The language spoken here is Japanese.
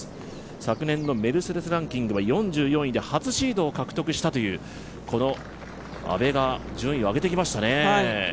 昨年のメルセデスランキングは４４位で初シードを獲得したというこの阿部が順位を上げてきましたね。